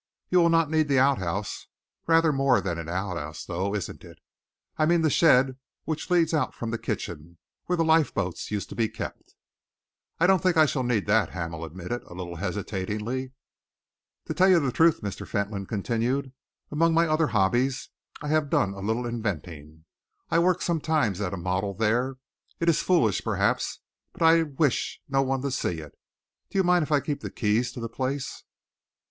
You will not need the outhouse rather more than an outhouse, though isn't it? I mean the shed which leads out from the kitchen, where the lifeboat used to be kept?" "I don't think I shall need that," Hamel admitted, a little hesitatingly. "To tell you the truth," Mr. Fentolin continued, "among my other hobbies I have done a little inventing. I work sometimes at a model there. It is foolish, perhaps, but I wish no one to see it. Do you mind if I keep the keys of the place?"